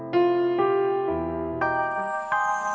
kasihnya nenek empat sendiri